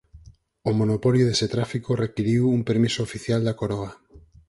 O monopolio dese tráfico requiriu un permiso oficial da Coroa.